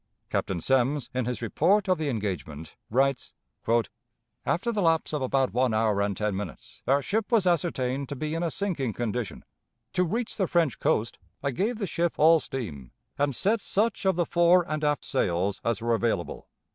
Captain Semmes in his report of the engagement writes: "After the lapse of about one hour and ten minutes, our ship was ascertained to be in a sinking condition ... to reach the French coast, I gave the ship all steam, and set such of the fore and aft sails as were available.